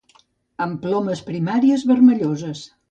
Amb plomes primàries vermelloses.